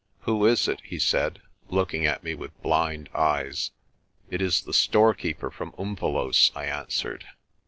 "Who is it?" he said, looking at me with blind eyes. "It is the storekeeper from Umvelos'," I answered.